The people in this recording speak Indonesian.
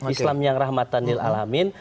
islam yang rahmatanil alamin